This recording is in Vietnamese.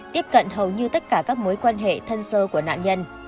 tiếp cận hầu như tất cả các mối quan hệ thân sơ của nạn nhân